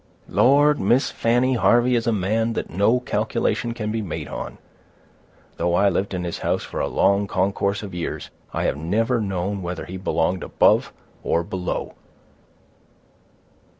"Lord, Miss Fanny, Harvey is a man that no calculation can be made on. Though I lived in his house for a long concourse of years, I have never known whether he belonged above or below.